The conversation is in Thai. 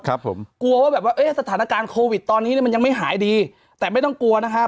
กลัวว่าสถานการณ์โควิดตอนนี้มันยังไม่หายดีแต่ไม่ต้องกลัวนะครับ